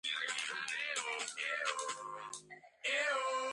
არც მთავრობას დარჩენია შეუმჩნევლად მისი მოციქულებრივი საქმიანობა.